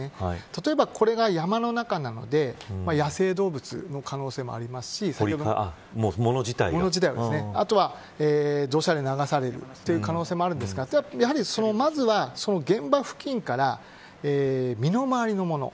例えば、これが山の中なので野生動物の可能性もありますしあとは土砂で流されるという可能性もあるんですがやはり、まずは現場付近から身の回りのもの。